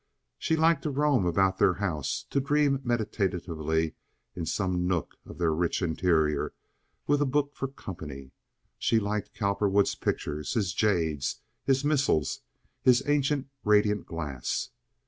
She liked to roam about their house, to dream meditatively in some nook of the rich interior, with a book for company. She liked Cowperwood's pictures, his jades, his missals, his ancient radiant glass.